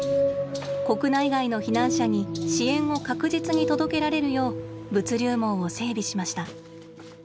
国内外の避難者に支援を確実に届けられるよう物流網を整備しました。